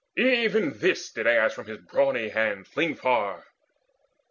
Even this did Aias from his brawny hand Fling far.